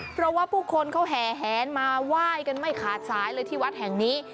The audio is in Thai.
เพราะว่าผู้คนเขาแห่แหนมาไหว้กันไม่ขาดสายเลยที่วัดแห่งนี้